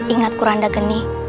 ingat kuranda geni